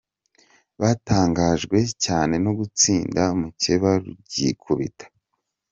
Batangajwe cyane no gutsinda mukeba rugikubita.